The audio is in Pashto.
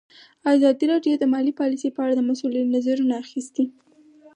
ازادي راډیو د مالي پالیسي په اړه د مسؤلینو نظرونه اخیستي.